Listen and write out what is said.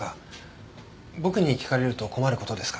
僕に聞かれると困る事ですか？